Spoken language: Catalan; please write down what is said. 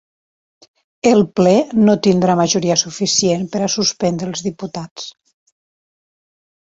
El ple no tindrà majoria suficient per a suspendre els diputats